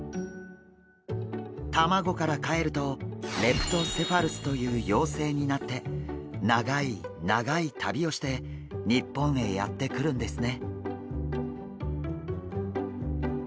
卵からかえるとレプトセファルスという幼生になって長い長い旅をして日本へやって来るんですね。